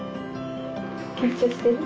緊張してる？